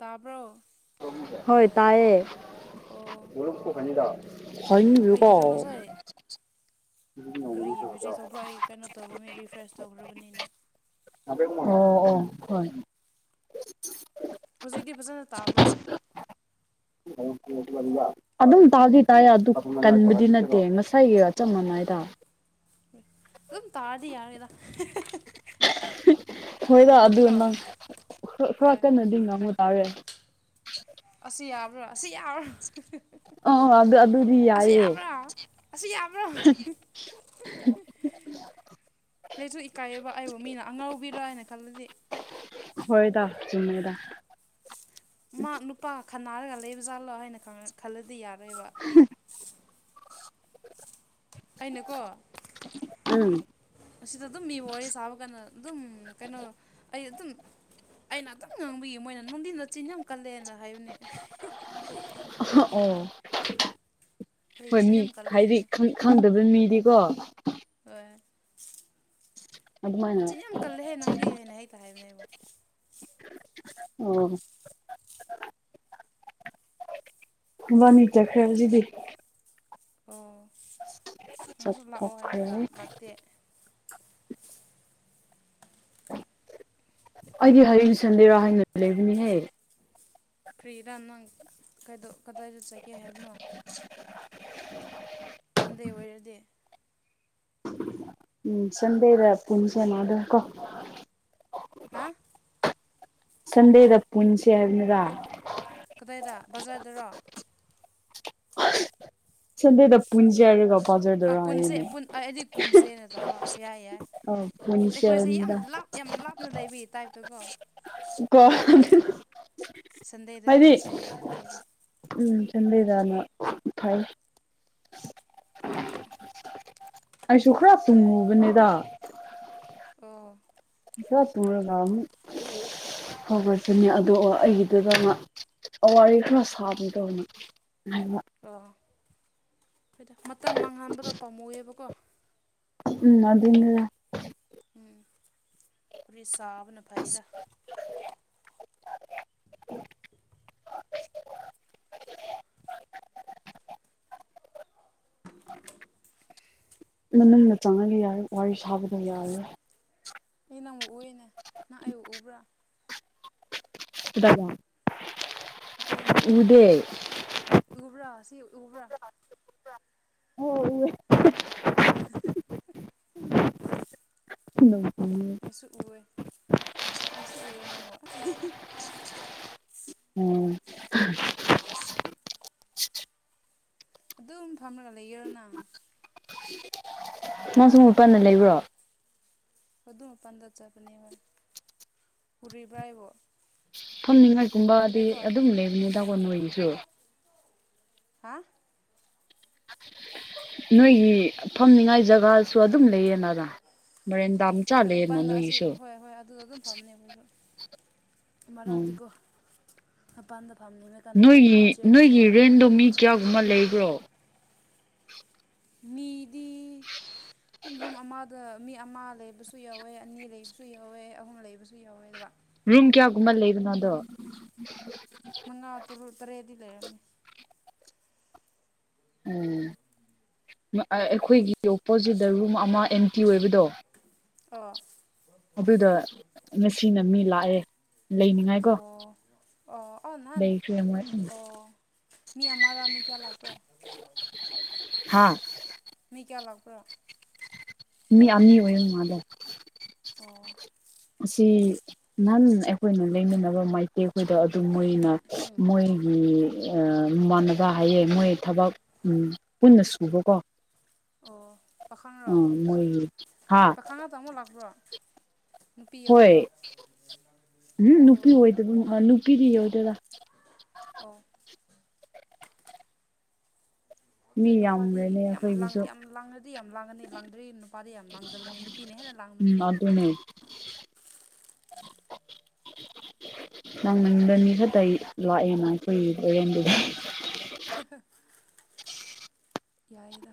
ꯇꯥꯕ꯭ꯔꯣ ꯍꯣꯏ ꯇꯥꯏꯑꯦ ꯑꯣ ꯑꯩꯒꯤꯗꯣ ꯍꯀꯣ ꯀ꯭ꯔꯤ ꯕꯤꯔꯤ ꯊꯣꯛꯄ꯭ꯔꯛ ꯑꯩ ꯀꯩꯅꯣ ꯇꯧꯈ꯭ꯔꯕꯅꯤ ꯔꯤꯐ꯭ꯔꯦꯁ ꯇꯧꯈ꯭ꯔꯕꯅꯤꯅ ꯑꯣ ꯑꯣ ꯍꯣꯏ ꯍꯧꯖꯤꯛꯇꯤ ꯐꯖꯅ ꯇꯥꯕ꯭ꯔꯥ ꯑꯣꯝ ꯑꯗꯨꯝ ꯇꯥꯗꯤ ꯇꯥꯏ ꯑꯗꯨ ꯀꯟꯕꯗꯤ ꯅꯠꯇꯦ ꯉꯁꯥꯏꯒꯤ ꯑꯆ ꯃꯥꯟꯗ ꯑꯗꯨꯝ ꯇꯥꯔꯗꯤ ꯌꯥꯔꯒꯦꯗ ꯍꯣꯏꯗ ꯑꯗꯨ ꯅꯠꯇ꯭ꯔꯣ ꯅꯪ ꯈꯔ ꯍꯣꯏ ꯀꯟꯅꯗꯤ ꯉꯥꯡꯕ ꯇꯥꯔꯦ ꯑꯁꯤ ꯌꯥꯕ꯭ꯔꯣ ꯑꯁꯤ ꯌꯥꯔ ꯑꯣ ꯑꯗꯨ ꯑꯗꯨꯗꯤ ꯑꯁꯤ ꯌꯥꯏꯌꯦ ꯌꯥꯕ꯭ꯔꯥ ꯑꯁꯤ ꯌꯥꯕ꯭ꯔꯣ ꯀꯁꯨ ꯏꯀꯥꯏꯌꯦꯕ ꯑꯩꯕꯨ ꯃꯤꯅ ꯑꯉꯧꯕꯤꯔꯥ ꯍꯥꯏꯅ ꯈꯜꯂꯗꯤ ꯍꯣꯏꯗ ꯆꯨꯃꯦꯗ ꯃꯥ ꯅꯨꯄꯥ ꯈꯟꯅꯔꯒ ꯂꯩꯕ ꯖꯥꯠꯂꯣ ꯍꯥꯏꯅ ꯈꯜꯂꯗꯤ ꯌꯥꯔꯣꯏꯕ [inaudible] ꯑꯩꯅꯀꯣ ꯎꯝ ꯑꯁꯤꯗ ꯑꯗꯨꯝ ꯃꯤ ꯋꯥꯔꯤ ꯁꯥꯕ ꯀꯥꯟꯗ ꯑꯗꯨꯝ ꯀꯩꯅꯣ ꯑꯩ ꯑꯗꯨꯝ ꯑꯩꯅ ꯑꯇꯪ ꯉꯥꯡꯕꯤꯌꯦ ꯃꯣꯏꯅ ꯅꯨꯡꯊꯤꯟꯗ ꯆꯤꯟ ꯌꯥꯝ ꯀꯜꯂꯦꯅ ꯍꯥꯏꯕꯨꯅꯦ ꯑꯣ ꯑꯩ ꯆꯤꯟ ꯐꯅꯤ ꯌꯥꯝ ꯀꯜꯂꯦ ꯍꯥꯏꯌꯦ ꯍꯥꯏꯗꯤꯪ ꯈꯪꯗꯕ ꯃꯤꯗꯤꯀꯣ ꯑꯗꯨꯃꯥꯏꯅ ꯍꯣꯏꯆꯤꯟ ꯌꯥꯝ ꯀꯜꯂꯦꯍꯦ ꯅꯪꯗꯤ ꯍꯥꯏꯅ ꯍꯦꯛꯇ ꯍꯥꯏꯕꯅꯦꯕꯣ ꯑꯣ ꯋꯥꯅꯤ ꯆꯈꯦꯕꯖꯤꯗꯤ ꯑꯣ ꯅꯪꯁꯨ ꯂꯥꯛꯑꯣ ꯆꯠꯊꯣꯛꯈ꯭ꯔꯦ ꯍꯥꯏꯔꯒ ꯂꯥꯛꯇꯦ ꯑꯩꯗꯤ ꯍꯌꯦꯡ ꯁꯟꯗꯦꯔꯥ ꯍꯥꯏꯅ ꯂꯩꯕꯅꯤꯍꯦ ꯀ꯭ꯔꯤꯗ ꯅꯪ ꯀꯗꯥꯏꯗ ꯆꯠꯒꯦ ꯍꯥꯏꯕꯅꯣ [unintelligible] ꯁꯟꯗꯦ ꯑꯣꯏꯔꯗꯤ ꯎꯝ ꯆꯗꯦꯗ ꯄꯨꯟꯁꯦꯅꯗ ꯀꯣ ꯍꯥꯥ ꯁꯟꯗꯦꯗ ꯄꯨꯟꯁꯦ ꯍꯥꯏꯕꯅꯤꯔ ꯀꯗꯥꯏꯗ ꯕꯖꯥꯔꯗꯔꯣ ꯆꯟꯗꯦꯗ ꯄꯨꯟꯖꯌꯥ ꯍꯥꯏꯒ ꯑ ꯄꯨꯟꯁꯦ ꯑꯩꯗꯤ ꯀꯨꯝꯁꯦꯅ ꯇꯥꯕ ꯌꯥꯏ ꯌꯥꯏ ꯑꯧ ꯄꯨꯟꯁꯦ ꯑꯩꯈꯣꯏꯁꯦ ꯌꯥꯝ ꯍꯥꯏꯕꯅꯤꯗ ꯂꯥꯞ ꯌꯥꯝ ꯂꯥꯞꯅ ꯂꯩꯕꯤ ꯇꯥꯏꯞꯇꯀꯣ ꯀ ꯁꯟꯗꯩꯗ ꯄꯨꯟꯁꯦ ꯂꯩꯔꯦ ꯎꯝ ꯆꯟꯕꯤꯦꯗꯥꯅ ꯊꯥꯏ ꯑꯩꯁꯨ ꯈꯔ ꯌꯥꯏ ꯌꯥꯏ ꯇꯨꯝꯉꯨꯕꯅꯤꯗ ꯑꯣ ꯏ ꯇꯔ ꯂꯝ ꯍꯒ ꯑꯗꯨꯅꯦ ꯑꯗꯨꯒ ꯑꯩꯒꯤꯗꯨꯗ ꯋꯥꯔꯤ ꯈꯔ ꯁꯥꯕꯗꯧꯅꯤ ꯍꯥꯏꯕ ꯑꯣ ꯍꯣꯏꯗ ꯃꯇꯝ ꯃꯥꯡꯍꯟꯥꯟꯕꯗꯣ ꯄꯥꯝꯃꯧꯑꯦꯕꯀꯣ ꯎꯝ ꯑꯗꯨꯅ ꯎꯝ ꯄꯔꯤ ꯁꯥꯐꯅꯐꯩꯗ [unintelligible] [unintelligible] [unintelligible] ꯃꯃꯤꯟꯅ ꯆꯪꯉꯒ ꯌꯥ ꯋꯥꯔꯤ ꯁꯥꯕꯗꯣ ꯌꯥꯔꯦ ꯏ ꯅꯪꯨꯛ ꯎꯏꯅꯦ ꯅꯪ ꯑꯩꯨꯛ ꯎꯎꯕ꯭ꯔꯥ ꯑꯗꯨꯗꯗ ꯑꯩꯈꯣꯏ ꯌꯨꯝꯗ ꯌꯦꯡꯉꯣ ꯎꯕ꯭ꯔꯥ ꯁꯤ ꯎꯕ꯭ꯔꯥ ꯑꯣ ꯎ ꯍ ꯎ ꯑꯩꯁꯨ ꯎꯦ ꯑꯩꯁꯨ ꯎꯦ ꯅꯪꯣ ꯎꯝ ꯑꯗꯨꯝ ꯐꯝꯃꯒ ꯂꯩꯒꯔꯣ ꯅꯪ [unintelligible] ꯃꯥ ꯁ ꯃꯄꯟꯅ ꯂꯩꯕ꯭ꯔꯣ ꯑꯗꯨ ꯃꯄꯥꯟꯗ ꯆꯠꯕꯅꯦ ꯍꯣꯏ ꯄꯨꯔꯤꯕ꯭ꯔꯥ ꯍꯥꯏꯕꯣ ꯐꯝꯅꯤꯡꯉꯥꯏꯒꯨꯝꯕꯗꯤ ꯑꯗꯨꯝ ꯂꯩꯕꯅꯤꯗꯥ ꯃꯣꯏꯒꯤꯁꯨ ꯍꯥꯥ ꯅꯣꯏꯒꯤ ꯐꯝꯅꯤꯉꯥꯏ ꯖꯒꯥꯁꯨ ꯑꯗꯨꯝ ꯂꯩꯌꯦꯅꯗ ꯃꯔꯣꯔꯦꯟ ꯝ ꯍꯣꯏ ꯆꯂꯦꯅ ꯅꯏꯁꯣ ꯃꯔꯗꯤ ꯀꯧꯕ ꯄꯥꯟꯗ ꯐꯥꯝꯗꯨꯅ ꯅꯣꯏꯒꯤ ꯅꯣꯏꯒꯤ ꯔꯦꯟꯗꯣ ꯃꯤ ꯀꯌꯥꯒꯨꯝꯕ ꯂꯩꯕ꯭ꯔꯣ ꯅꯤꯗꯤ ꯇꯨꯝꯕꯨꯝ ꯑꯃ ꯑ ꯃꯤ ꯑꯃ ꯂꯩꯕꯁꯨ ꯌꯥꯎꯋꯦ ꯑꯅꯤ ꯂꯩꯕꯁꯨ ꯌꯥꯎꯋꯦ ꯑꯍꯨꯝ ꯂꯩꯕꯁꯨ ꯌꯥꯎꯋꯦ ꯑꯗꯨꯒꯗ ꯔꯨꯝ ꯀꯌꯥꯒꯨꯝꯕ ꯂꯩꯕꯅꯣꯗꯣ ꯃꯉꯥ ꯇꯨ ꯇꯔꯦꯠꯗꯤ ꯂꯩꯔꯝꯃꯦ ꯎ ꯑꯩꯈꯣꯏꯒꯤ ꯑꯣꯄꯣꯖꯤꯠꯇ ꯔꯨꯝ ꯑꯃ ꯑꯦꯝꯇꯤ ꯑꯣꯏꯕꯗꯣ ꯑ ꯑꯗꯨꯗ ꯉꯁꯤꯅ ꯃꯤ ꯂꯥꯛꯑꯦ ꯂꯩꯅꯤꯉꯥꯏ ꯑꯣ ꯑꯣ ꯑꯥꯎ ꯅꯍꯥꯟ ꯂꯩꯈ꯭ꯔꯦ ꯃꯣꯏ ꯑꯣ ꯃꯤ ꯑꯃꯔꯥ ꯃꯤ ꯀꯌꯥ ꯂꯥꯛꯄ꯭ꯔꯣ ꯍꯥꯥ ꯃꯤ ꯀꯌꯥ ꯂꯥꯛꯄ꯭ꯔꯣ ꯃꯤ ꯑꯃꯅꯤ ꯑꯣꯏꯌꯦꯨꯝ ꯃꯥꯗ ꯑꯣ ꯑꯁꯤ ꯅꯍꯟ ꯑꯩꯈꯣꯏꯅ ꯂꯩꯅꯅꯕ ꯃꯥꯏꯇꯩꯈꯣꯏꯗ ꯑꯗꯨ ꯃꯣꯏ ꯑꯣꯏꯅ ꯎꯝ ꯃꯣꯏꯒꯤ ꯃꯥꯟꯅꯕ ꯍꯥꯏꯌꯦꯦ ꯃꯣꯏ ꯊꯕꯛ ꯄꯨꯟꯅ ꯁꯨꯕꯀꯣ ꯑꯣ ꯎꯝ ꯃ ꯍꯥꯥ ꯇꯃꯣ ꯂꯥꯛ꯭ꯔ ꯍꯣꯏ ꯎꯝ ꯅꯨꯄꯤ ꯑꯣ ꯑꯣꯏꯗꯕ ꯅꯨꯄꯤꯗꯤ ꯑꯣꯏꯗꯣꯏꯔꯥ ꯑꯣ ꯃꯤ ꯍꯣꯏ ꯅꯨꯄꯥꯗꯤ ꯌꯥꯝꯈ꯭ꯔꯦꯅꯦ ꯌꯥꯝ ꯂꯥꯡ ꯑꯩꯈꯣꯏꯒꯤꯁꯨ ꯌꯥꯝ ꯂꯥꯡꯉꯗꯤ ꯌꯥꯝ ꯂꯥꯡꯉꯅꯤ ꯂꯥꯡꯗ꯭ꯔꯤ ꯅꯨꯄꯥꯗꯤ ꯌꯥꯝ ꯂꯥꯡꯗꯕꯅꯤ ꯅꯨ ꯅꯤꯅ ꯂꯥꯡꯅ ꯎꯝ ꯑꯗꯨ ꯑꯗꯨꯅꯦ ꯑ ꯅꯪꯃꯗꯅꯤ ꯈꯛꯇ ꯂꯥꯛꯑꯦꯅ ꯑꯩꯈꯣꯏ ꯂꯔꯦꯟꯗꯨꯗ ꯍ ꯌꯥꯌꯥꯦꯗ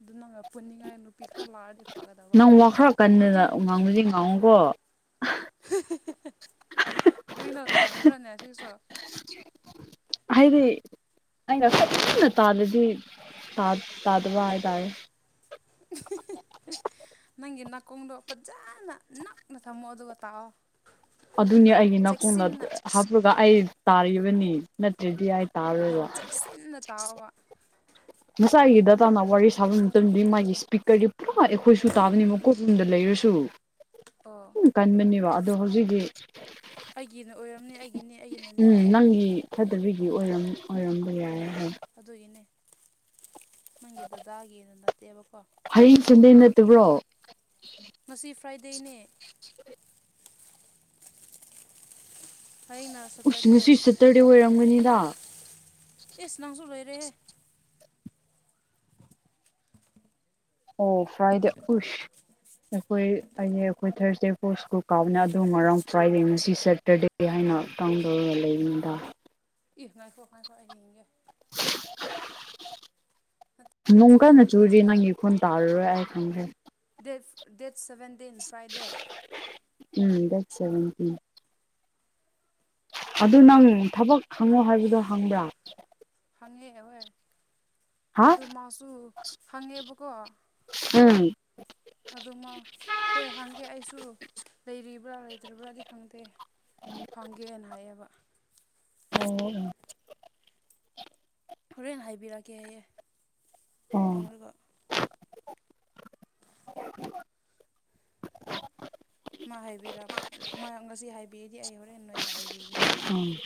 ꯑꯗꯨ ꯅꯪ ꯄꯨꯅꯤꯡꯉꯥꯏ ꯅꯨꯄꯤ ꯈꯔ ꯂꯥꯛꯑꯗꯤ ꯐꯒꯗꯕ ꯅꯪ ꯋꯥꯈꯔ ꯑꯗꯨ ꯀꯟꯅꯗꯅ ꯉꯥꯡꯕꯁꯦ ꯉꯥꯡꯉꯨꯀꯣ ꯀꯔꯤꯅꯣ ꯇꯥꯗꯕ꯭ꯔꯥꯅꯦ ꯁꯤꯁꯨ ꯍꯥꯏꯗꯤ ꯑꯩꯒ ꯀꯅ ꯇꯥꯗꯗꯤ ꯇꯥꯗꯕ ꯍꯥꯏꯇꯥꯔꯦ ꯅꯪꯒꯤ ꯅꯥꯀꯣꯡꯗꯣ ꯐꯖꯅ ꯅꯛꯅ ꯊꯝꯃꯣ ꯑꯗꯨꯒ ꯇꯥꯛꯑꯣ ꯑꯗꯨꯅꯤ ꯑꯩꯒꯤ ꯅꯥꯀꯣꯡꯗ ꯆꯦꯛꯁꯤꯟꯅ ꯍꯥꯞꯄꯒ ꯑꯩ ꯇꯥꯔꯤꯕꯅꯤ ꯅꯠꯇ꯭ꯔꯦꯗꯤ ꯌꯥꯝ ꯆꯦꯛꯁꯤꯟꯅ ꯇꯥꯎꯕ ꯃꯆꯥꯒꯤ ꯗꯗꯥꯇꯥꯅ ꯋꯥꯔꯤ ꯁꯥꯕ ꯃꯇꯝꯗꯗꯤ ꯃꯥꯒꯤ ꯏꯁꯄꯤꯀꯔꯗꯤ ꯄꯨꯔꯥ ꯑꯩꯈꯣꯏꯁꯨ ꯇꯥꯕꯅꯤꯕꯀꯣꯠꯂꯣꯨꯝꯗ ꯂꯩꯔꯁꯨ ꯑꯣ ꯎꯝ ꯀꯟꯕꯅꯦꯕ ꯑꯗꯣ ꯍꯧꯖꯤꯛꯀꯤ ꯑꯩꯒꯤꯅ ꯑꯣꯏꯔꯝꯅꯦ ꯑꯩꯒꯤꯅꯦ ꯑꯩꯒꯤꯅꯅꯦꯕ ꯎꯝ ꯅꯪꯒꯤ ꯐꯗꯕꯤꯒꯤ ꯑꯣꯏꯔꯝ ꯑꯣꯏꯔꯝꯕ ꯌꯥꯏ ꯍꯣꯏ ꯍꯥꯏ ꯑꯗꯨꯒꯤꯅꯦ ꯅꯪꯒꯤ ꯗꯗꯥꯒꯤꯅ ꯅꯠꯇꯦꯕꯀꯣ ꯍꯩ ꯆꯟꯗꯩ ꯅꯠꯇꯕ꯭ꯔꯣ ꯃꯁꯤ ꯐ꯭ꯔꯥꯏꯗꯦꯅꯦ ꯎ ꯍꯌꯦꯡꯅ ꯁꯇꯔꯗꯦ ꯎꯁꯤꯡꯅꯁꯨ ꯆꯠꯇ꯭ꯔꯗꯤ ꯑꯣꯏꯔꯝꯒꯅꯤꯗ ꯑꯦꯁꯨ ꯅꯪꯁꯨ ꯂꯣꯏꯔꯦ ꯑꯣ ꯐ꯭ꯔꯥꯏꯗꯦ ꯎꯁ ꯑꯩꯈꯣꯏ ꯑꯩ ꯑꯩꯈꯣꯏ ꯊꯥꯔꯁꯗꯦ ꯐꯣꯔ ꯁ꯭ꯀꯨꯜ ꯀꯥꯎꯕꯅ ꯑ ꯉꯔꯥꯡ ꯐ꯭ꯔꯥꯏꯗꯦ ꯉꯁꯤ ꯁꯦꯇꯔꯗꯦ ꯀ ꯍꯥꯏꯅ ꯇꯥꯡꯗꯧꯔꯒ ꯂꯩꯔꯤꯅꯤꯗ ꯏ ꯉꯥꯏꯈꯣ ꯉꯥꯏꯈꯣ ꯑꯩ ꯌꯦꯡꯒꯦ ꯅꯨꯡ ꯉꯁꯤ ꯀꯟꯅ ꯐ꯭ꯔꯥꯏꯗꯦ ꯆꯨꯔꯤ ꯗꯦꯠ ꯅꯪꯒꯤꯈꯨꯟ ꯇꯥꯔꯔꯣꯏ ꯑꯩ ꯈꯪꯈ꯭ꯔꯦ date date seventeen Friday um ꯗꯠ ꯆꯕ ꯑꯗꯨ ꯅꯪ ꯊꯕꯛ ꯈꯪꯉꯣ ꯍꯥꯏꯕꯗꯣ ꯍꯪꯕ꯭ꯔꯥ ꯍꯪꯉꯦ ꯍꯣꯏ ꯍꯥ ꯑꯗꯨ ꯃꯥꯁꯨ ꯍꯪꯉꯦꯕꯀꯣ ꯎꯝ ꯑꯗꯨꯃ ꯍꯣꯏ ꯍꯥꯡꯒꯦ ꯑꯩꯁꯨ ꯂꯩꯔꯤꯕ꯭ꯔꯥ ꯂꯩꯇ꯭ꯔꯤꯕ꯭ꯔꯥꯗꯤ ꯈꯪꯗꯦ ꯐꯪꯒꯦꯅ ꯍꯥꯏꯌꯦꯕ ꯎꯝ ꯎꯝ ꯍꯣꯔꯦꯟꯦꯟ ꯍꯥꯏꯕꯤꯔꯛꯀꯦ ꯍꯌꯦꯌꯦꯦ ꯐꯪꯂꯒ ꯃꯥ ꯍꯥꯏꯕꯤꯔ ꯉꯁꯤ ꯍꯥꯏꯕꯤꯒꯗꯤ ꯑꯩ ꯍꯣꯔꯦꯟ ꯅꯣꯏꯗ ꯍꯥꯏꯕꯤꯒꯦ ꯎꯝ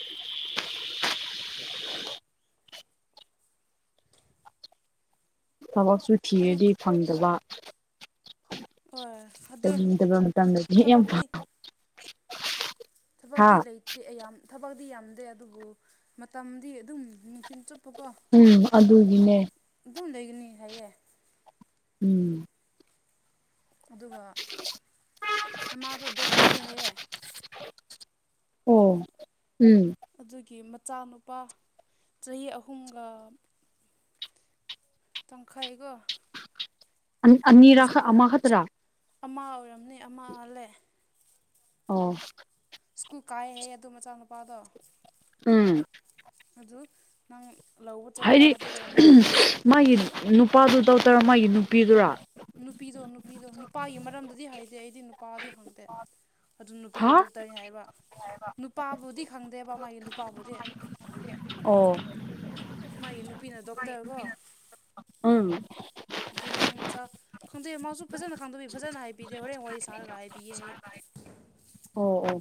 ꯊꯕꯛꯁꯨ ꯑꯗꯨ ꯊꯤꯔꯗꯤ ꯐꯪꯗꯕ ꯑꯣ ꯑꯗꯨ ꯇꯧꯅꯤꯡꯗꯕ ꯃꯇꯝꯗꯗꯤ ꯌꯥꯝ ꯊꯕꯛꯇꯗꯤꯤ ꯊꯐꯥꯎꯗꯤ ꯍꯥ ꯂꯩ ꯌꯥꯝꯌꯥꯝ ꯊꯕꯛꯇꯛꯇꯤ ꯌꯥꯝꯗꯦ ꯑꯗꯨꯕꯨ ꯃꯇꯝꯗꯤ ꯑꯗꯨꯝ ꯅꯨꯡꯊꯤꯤꯟ ꯆꯨꯞꯄꯀꯣ ꯎꯝ ꯑꯗꯨꯒꯤꯅꯦ ꯑꯗꯨꯝ ꯂꯩꯒꯅꯤ ꯍꯥꯏꯌꯦ ꯎꯝ ꯑꯗꯨꯒ ꯃꯃꯥꯗꯣ ꯗꯣꯛꯇꯔꯅꯤ ꯍꯥꯏꯌꯦꯦ ꯑꯣ ꯎꯝ ꯑꯗꯨꯒꯤ ꯃꯆꯥꯅꯨꯄꯥ ꯆꯍꯤ ꯑꯍꯨꯝꯒ ꯇꯪꯈꯥ ꯍꯥꯏꯒꯣ ꯑ ꯑꯅꯤꯔ ꯑꯃ ꯍꯥ ꯇ꯭ꯔꯥ ꯑꯃ ꯑꯣꯏꯔꯝꯅꯤ ꯑꯃ ꯑꯜꯂꯦ ꯑꯣ ꯁ꯭ꯀꯨꯜ ꯀꯥꯏꯍꯦ ꯑꯗꯣ ꯃꯆꯥꯅꯨꯄꯥꯗꯣ ꯎꯝ ꯑꯗꯨ ꯅꯪ ꯂꯧꯕ ꯆꯠꯄ ꯍꯥꯏꯗꯤ ꯑꯗꯨꯒ ꯃꯥ ꯃꯥꯒꯤ ꯅꯨꯄꯥꯗꯨ ꯇꯧꯇꯔꯣ ꯃꯥꯒꯤ ꯅꯨꯄꯤꯗꯨꯔꯥ ꯅꯨꯄꯤꯗꯣ ꯅꯨꯄꯤꯗꯣ ꯅꯨꯄꯥꯒꯤ ꯃꯔꯝꯗꯗꯤ ꯍꯥꯏꯗꯦ ꯑꯩꯗꯤ ꯅꯨꯄꯥꯗꯤ ꯈꯪꯗꯦ ꯑꯗꯨ ꯅꯨꯄꯤꯗꯣ ꯍꯥ ꯗꯣꯛꯇꯔꯅꯤ ꯍꯥꯏꯕ ꯅꯨꯄꯥꯕꯨꯗꯤ ꯈꯪꯗꯦꯕ ꯃꯥꯒꯤ ꯅꯨꯄꯥꯕꯨꯗꯤ ꯑꯣ ꯃꯥꯒꯤ ꯅꯨꯄꯤꯅ ꯗꯣꯛꯇꯔ ꯀꯣ ꯎꯝ ꯑꯗꯨ ꯅꯪ ꯃꯆꯥ ꯈꯪꯗꯣꯛꯑ ꯃꯥꯁꯨ ꯐꯖꯅ ꯈꯪꯗꯣꯛꯄꯤ ꯐꯖꯅ ꯍꯥꯏꯕꯤꯗꯦ ꯍꯣꯔꯦꯟ ꯋꯥꯔꯤ ꯁꯥꯔꯒ ꯍꯥꯏꯕꯤꯌꯦꯍ ꯑꯣ ꯑꯣ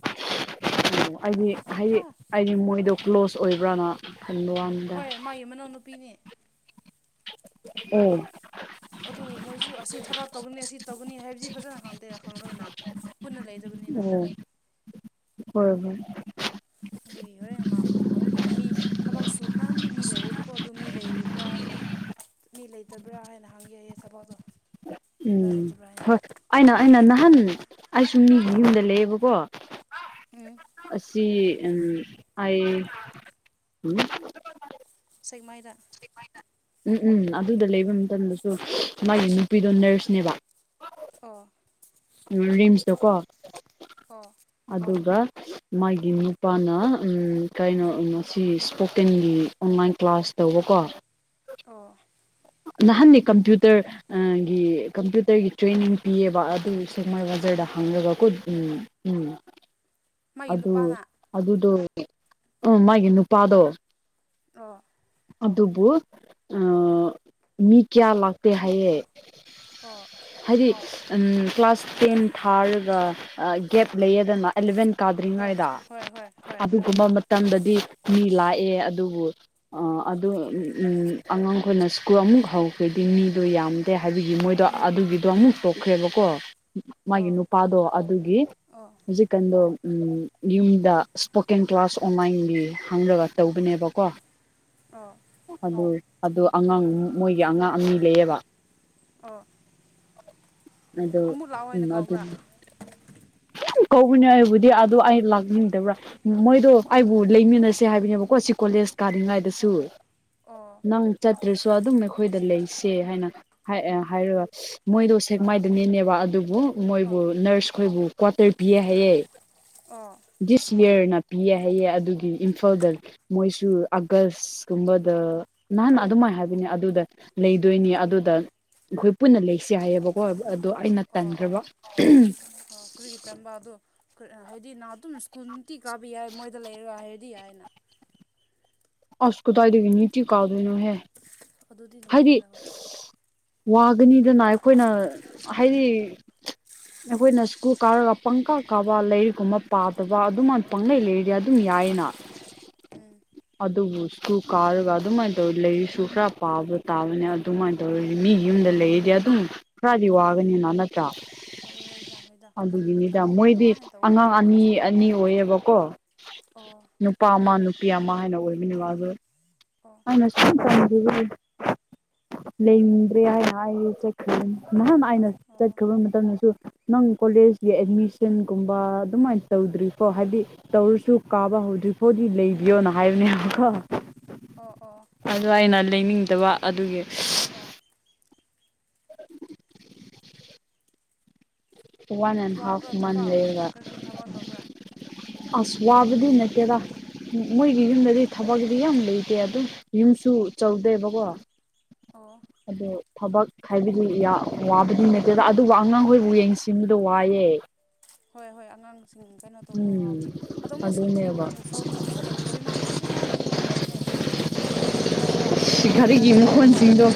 ꯑꯣ ꯑꯩꯗꯤ ꯍꯥꯏꯗꯤ ꯑꯥ ꯍꯥꯏꯗꯤ ꯃꯣꯏꯗꯣ ꯀ꯭ꯂꯣꯖ ꯑꯣꯏꯕ꯭ꯔꯅ ꯈꯟꯕ ꯋꯥ ꯍꯣꯏ ꯃꯥꯒꯤ ꯃꯅꯥꯎꯅꯨꯄꯤꯅꯦ ꯎꯝ ꯑꯗꯨ ꯃꯣꯏꯁꯨ ꯑꯁꯤ ꯊꯕꯥꯛ ꯇꯧꯒꯅꯤ ꯑꯁꯤ ꯇꯧꯒꯅꯤ ꯍꯥꯏꯕꯗꯤ ꯐꯖꯅ ꯈꯪꯗꯦꯅ ꯈꯪꯣꯏꯅ ꯄꯨꯟꯅ ꯂꯩ ꯎꯝ ꯍꯣꯏ ꯍꯣꯏ ꯑꯗꯨꯒꯤ ꯍꯣꯔꯦꯟ ꯑꯃ ꯍꯪꯒꯦ ꯃꯤ ꯊꯕꯛꯁꯨ ꯅꯍꯥꯟꯗꯤ ꯃꯤ ꯂꯩꯌꯦꯕꯀꯣ ꯑꯗꯨ ꯃꯤ ꯂꯩꯔꯤꯕ꯭ꯔꯥ ꯃꯤ ꯂꯩꯇꯕ꯭ꯔꯥ ꯍꯥꯏꯅ ꯍꯪꯒꯦ ꯑꯩꯌꯦ ꯊꯕꯥꯎꯗꯣ ꯎꯝ ꯍꯣꯏ ꯑꯩꯅ ꯑꯩꯅ ꯅꯍꯥꯟ ꯑꯩ ꯁꯨꯝ ꯃꯤꯒꯤ ꯌꯨꯝꯗ ꯂꯩꯌꯦꯕꯀꯣ ꯎꯝ ꯑꯁꯤꯁꯤ ꯎꯝ ꯑ ꯁꯦꯛꯃꯥꯏꯗ ꯎꯝ ꯎꯝ ꯑꯗꯨꯗ ꯂꯩꯕ ꯃꯇꯝꯗꯁꯨ ꯃꯥꯒꯤ ꯅꯨꯄꯤꯗꯣ ꯅꯔꯁꯅꯦꯕ ꯑꯣ ꯎ ꯔꯤꯝꯁꯇꯣ ꯀꯣ ꯑꯣꯥ ꯑꯗꯨꯒ ꯃꯥꯒꯤ ꯅꯨꯄꯥꯅ ꯀꯩꯅꯣ ꯃꯁꯤ ꯏꯁꯄꯣꯀꯦꯟꯒꯤ ꯑꯣꯟꯂꯥꯏꯟ ꯀ꯭ꯂꯥꯁ ꯇꯧꯕꯀꯣ ꯑꯣ ꯅꯍꯥꯟꯅꯤ ꯀꯝꯄ꯭ꯌꯨꯇꯔ ꯒꯤ ꯀꯝꯄ꯭ꯌꯨꯇꯔꯒꯤ ꯇ꯭ꯔꯦꯅꯤꯡ ꯄꯤꯑꯕ ꯑꯗꯨ ꯁꯦꯛꯃꯥꯏ ꯕꯖꯔꯗ ꯍꯥꯡꯉꯒ ꯎꯝ ꯃꯥꯒꯤ ꯑꯗꯨ ꯅꯨꯄꯥꯅ ꯑꯗꯨꯗꯣ ꯎ ꯃꯥꯒꯤ ꯅꯨꯄꯥꯗꯣ ꯑꯣ ꯑꯗꯨꯕꯨ ꯑ ꯃꯤ ꯀꯌꯥ ꯂꯥꯛꯇꯦ ꯍꯥꯏꯌꯦ ꯑꯣ ꯍꯥꯏꯗꯤ ꯎꯝ ꯀ꯭ꯂꯥꯁ ꯇꯦꯟ ꯊꯥꯔꯒ ꯑ ꯒꯦꯞ ꯂꯩꯌꯦꯗꯅ ꯑꯦꯂꯚꯦꯟ ꯍꯣꯏ ꯀꯥꯗ꯭ꯔꯤꯉꯥꯏꯗ ꯍꯣꯏ ꯍꯣꯏ ꯍꯣꯏ ꯑꯗꯨꯒꯨꯝꯕ ꯃꯇ__ ꯃꯇꯝꯗꯗꯤ ꯃꯤ ꯂꯥꯛꯑꯦ ꯑꯗꯨꯕꯨ ꯑ ꯑꯗꯨꯝ ꯎ ꯎꯝ ꯑꯉꯥꯡꯈꯣꯏꯅꯁꯨ__ ꯀꯣ ꯑꯃꯨꯛ ꯍꯧꯈ꯭ꯔꯗꯤ ꯃꯤꯗꯣ ꯌꯥꯝꯗꯦ ꯍꯥꯏꯕꯒꯤ ꯃꯣꯏꯗꯣ ꯎꯝ ꯑꯗꯨꯒꯤꯗꯣ ꯑꯃꯨꯛ ꯇꯣꯛꯈ꯭ꯔꯦꯕꯀꯣ ꯃꯥꯒꯤ ꯑꯣ ꯅꯨꯄꯥꯗꯣ ꯑꯗꯨꯒꯤ ꯑꯣ ꯍꯧꯖꯤꯛꯀꯥꯟꯗꯣ ꯎꯝ ꯌꯨꯝꯗ ꯁ꯭ꯄꯣꯀꯦꯟ ꯀ꯭ꯂꯥꯁ ꯑꯣꯟꯂꯥꯏꯟꯒꯤ ꯍꯪꯂꯒ ꯇꯧꯕꯅꯦꯕꯀꯣ [unintelligible] ꯑꯗꯨ ꯑꯗꯨ ꯑꯉꯥꯡ ꯃꯣꯏꯒꯤ ꯑꯉꯥꯡ ꯑꯅꯤ ꯂꯩꯌꯦꯕ ꯑꯣ [inaudible] ꯑꯗꯨ ꯑꯃꯨꯛ ꯂꯥꯛꯑꯣ ꯍꯥꯏꯅ ꯎꯝ ꯑꯗꯨ ꯀꯧꯕ꯭ꯔꯥ [unintelligible] ꯀꯧꯕꯅꯦ ꯑꯩꯕꯨꯗꯤ ꯑꯗꯨ ꯑꯩ ꯂꯥꯛꯅꯤꯡꯗꯕ꯭ꯔꯥ ꯎꯝ ꯃꯣꯏꯗꯣ ꯑꯩꯕꯨ ꯂꯩꯃꯤꯟꯅꯁꯦ ꯍꯥꯏꯕꯅꯦꯕꯀꯣ ꯁꯤ ꯀꯣꯂꯦꯖ ꯀꯥꯗ꯭ꯔꯤꯉꯥꯏ __ ꯗꯁꯨ ꯑꯣ ꯑꯣ ꯅꯪ ꯆꯠꯇ꯭ꯔꯁꯨ__ ꯇꯣ ꯑꯗꯨꯝ ꯑꯈꯣꯏꯗ ꯂꯩꯁꯦ ꯍꯥꯏꯅ ꯍꯥꯏꯑꯦ ꯍꯥꯏꯔ__ ꯃꯣꯏꯗꯣ ꯁꯦꯛꯃꯥꯏꯗꯅꯦꯅꯦꯕ ꯑꯗꯨꯕꯨ ꯃꯣꯏꯕꯨ ꯑꯣ ꯅꯔꯁ ꯈꯣꯏꯕꯨ ꯀ꯭ꯋꯥꯇꯔ ꯄꯤꯌꯦ ꯍꯥꯏꯌꯦ ꯑꯣ ꯗꯤꯁ ꯌꯔꯅ ꯄꯤꯌꯦ ꯍꯥꯏꯌꯦ ꯑꯗꯨꯒꯤ ꯏꯝꯐꯥꯜꯗ ꯃꯣꯏꯁꯨ ꯑꯥꯒꯁꯀꯨꯝꯕꯗ ꯅꯍꯥꯟ ꯑꯗꯨꯃꯥꯏ ꯍꯥꯏ__ ꯕꯅꯦ ꯑꯗꯨꯗ ꯂꯩꯗꯣꯏꯅꯤ ꯑꯗꯨꯗ ꯑꯈꯣꯏ ꯄꯨꯟꯅ ꯂꯩꯁꯦ ꯍꯥꯏꯌꯦꯕ__ ꯀꯣ ꯑꯗꯣ ꯑꯩꯅ ꯑꯣ ꯇꯟꯈ꯭ꯔꯕ ꯑꯣ [unintelligible] ꯑꯣ ꯀ꯭ꯔꯤꯒꯤ ꯇꯟꯕ ꯑꯗꯨ ꯀ ꯍꯥꯏꯗꯤ ꯅꯥ ꯑꯗꯨꯝ ꯁ꯭ꯀꯨꯜ ꯅꯨꯡꯇꯤ ꯀꯥꯕ ꯌꯥꯏ ꯃꯣꯏꯗ ꯂꯩꯔꯒ ꯍꯥꯏꯔꯗꯤ ꯌꯥꯏꯌꯦꯅ ꯑꯁ ꯀꯗꯥꯏꯗꯒꯤ ꯅꯤꯇꯤ ꯀꯥꯗꯣꯏꯅꯣ ꯍꯦ ꯑꯗꯨꯗꯤ ꯍꯥꯏꯗꯤ ꯅꯨꯡꯉꯥꯏꯇꯦꯗ ꯍꯣꯏ [unintelligible] ꯋꯥꯒꯅꯤꯗꯅ ꯑꯩꯈꯣꯏꯅ ꯍꯥꯏꯗꯤ ꯑꯈꯣꯏꯅ ꯁ꯭ꯀꯨꯜ ꯀꯥꯔꯒ ꯄꯪꯀꯥ ꯀꯥꯕ ꯂꯩꯔꯤꯛꯀꯨꯝꯕ ꯄꯥꯗꯕ ꯑꯗꯨꯃꯥꯏꯅ ꯄꯥꯡꯂꯩ ꯂꯩꯔꯗꯤ ꯑꯗꯨꯝ ꯌꯥꯏꯌꯦꯅ [unintelligible] ꯑꯗꯨꯕꯨ ꯁ꯭ꯀꯨꯜ ꯀꯥꯔꯒ ꯑꯗꯨꯃꯥꯏꯅ ꯇꯧꯔ ꯂꯩꯔꯤꯛꯁꯨ ꯈ꯭ꯔꯥ ꯄꯥꯕ ꯇꯥꯕꯅꯦ ꯑꯗꯨꯃꯥꯏꯅ ꯇꯧꯔꯗꯤ ꯃꯤꯒꯤ ꯌꯨꯝꯗ ꯂꯩꯔꯗꯤ ꯑꯗꯨꯝ ꯈꯔꯗꯤ ꯋꯥꯒꯅꯤꯅ ꯅꯠ__ ꯇ꯭ꯔꯥ ꯍꯣꯏ ꯍꯣꯏꯗ ꯍꯣꯏꯗ ꯑꯗꯨꯒꯤꯅꯤꯗ ꯊꯕꯛꯄꯨ ꯃꯣꯏꯗꯤ ꯅꯨꯡꯉꯥꯏꯅ ꯇꯧꯕ ꯑꯉꯥꯡ ꯑꯅꯤ ꯊꯕꯛꯇꯤ ꯐꯪꯈ꯭ꯔꯦ ꯑꯅꯤ ꯑꯣꯏꯌꯦꯕꯀꯣ ꯑꯣ ꯅꯨꯄꯥ ꯑꯃ ꯅꯨꯄꯤ ꯑꯃ ꯍꯥꯏꯅ ꯑꯣꯏꯃꯤꯟꯅꯕ ꯑꯗꯣ ꯑꯣ [unintelligible] ꯂꯩꯅꯤꯡꯗ꯭ꯔꯦ ꯍꯥꯏꯅ ꯑꯩꯗꯤ ꯆꯠꯈ꯭ꯔꯅꯤ ꯅꯍꯥꯟ ꯑꯥꯏꯅ ꯑꯣ ꯆꯠꯈ꯭ꯔꯕ ꯃꯇꯝꯗꯁꯨ ꯅꯪ ꯀꯣꯂꯦꯖꯀꯤ ꯑꯦꯠꯃꯤꯁꯟꯒꯨꯝꯕ ꯑꯗꯨꯃꯥꯏꯅ ꯇꯧꯗ꯭ꯔꯤꯀꯣ ꯍꯥꯏꯕꯗꯤ ꯇꯧꯔꯁꯨ ꯀꯥꯕ ꯍꯧꯗ꯭ꯔꯤꯐꯥꯎꯗꯤ ꯂꯩꯕꯤꯌꯣꯅ ꯍꯥꯏꯕꯅꯦꯀꯣ ꯑꯣ ꯑꯣ ꯑꯗꯣ ꯑꯩꯅ ꯂꯩꯅꯤꯡꯗꯕ ꯑꯗꯨꯒꯤ [unintelligible] ꯑꯣ [unintelligible] ꯋꯥꯟ ꯑꯦꯟ ꯍꯥꯐ ꯋꯥꯕ꯭ꯔꯥ ꯃꯟ ꯊꯕꯛ ꯂꯩꯔꯒ ꯃꯣꯏꯗ ꯀꯔꯤ ꯀꯔꯤ ꯊꯕꯛ ꯇꯧꯕ꯭ꯔꯥ [unintelligible] ꯑꯁ ꯋꯥꯕꯗꯤ ꯅꯠꯇꯦꯗ ꯃꯣꯏꯒꯤ ꯌꯨꯝꯗꯗꯤ ꯊꯕꯛꯀꯤꯗꯤ ꯌꯥꯝ ꯂꯩꯇꯦ ꯑꯗꯨꯝ ꯌꯨꯝꯁꯨ ꯆꯧꯗꯦꯕꯀꯣ ꯑꯣ ꯑꯗꯣ ꯊꯕꯛ ꯍꯥꯏꯕꯗꯤ ꯌꯥꯝ ꯋꯥꯕꯗꯤ ꯅꯠꯇꯦꯗ ꯑꯗꯨꯕꯨ ꯑꯉꯥꯡꯈꯣꯏꯕꯨ ꯌꯦꯡꯁꯤꯟꯕꯗꯣ ꯋꯥꯏꯌꯦ ꯍꯣꯏ ꯍꯣꯏ ꯑꯉꯥꯡꯁꯤꯡ ꯀꯩꯅꯣ ꯇꯧꯕꯗꯣ ꯎꯝ ꯋꯥꯕꯅꯤ ꯑꯗꯣꯃꯨꯛ ꯁꯥꯠꯊꯤꯕ ꯑꯗꯨꯅꯦꯕ ꯀꯥꯟꯗ ꯁꯧꯅꯤꯡꯕꯁꯨ ꯂꯩ [unintelligible] ꯏꯃꯥꯟꯅꯕꯤꯁꯨ ꯅꯪ ꯑꯗꯨ ꯂꯩꯔꯝꯅꯦ ꯁꯦꯛꯃꯥꯏꯗ ꯁꯤ ꯃꯃꯥ ꯒꯥꯔꯤꯒꯤ ꯅꯔꯁꯅꯦꯕꯀꯣ ꯃꯈꯣꯟꯁꯤꯡꯗꯣ ꯗ꯭ꯔꯤ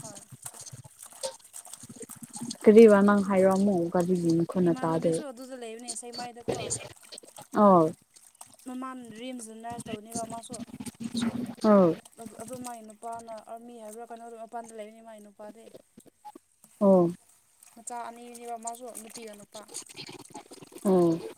ꯍꯣꯏ ꯀꯔꯤ ꯋꯥ ꯅꯪ ꯍꯥꯏꯔꯣ ꯑꯃꯨꯛ ꯀꯔꯤꯒꯤ ꯏꯃꯥꯟꯅꯕꯤꯁꯨ ꯑꯗꯨꯗ ꯂꯩꯕꯅꯦ ꯁꯦꯛꯃꯥꯏꯗꯀꯣ ꯑꯧ ꯃꯃꯥꯟ ꯔꯤꯝꯁꯇ ꯅꯔꯁ ꯇꯧꯅꯦꯕ ꯃꯥꯁꯨ ꯑꯧ ꯑꯗꯨ ꯃꯥꯏ ꯅꯨꯄꯥꯅ ꯑꯔꯃꯤ ꯍꯥꯏꯕ꯭ꯔꯥ ꯀꯩꯅꯣꯗꯣ ꯃꯄꯥꯟꯗ ꯂꯩꯔꯤꯅꯤ ꯃꯥꯒꯤ ꯅꯨꯄꯥꯗꯤ ꯑꯣ ꯃꯆꯥ ꯑꯅꯤꯅꯤꯕ ꯃꯥꯁꯨ ꯅꯨꯄꯤꯒꯅꯨ ꯑꯣ